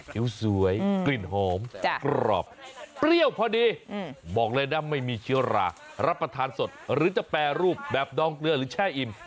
สวยกลิ่นหอมกรอบเปรี้ยวพอดีบอกเลยนะไม่มีเชื้อรารับประทานสดหรือจะแปรรูปแบบดองเกลือหรือแช่อิ่ม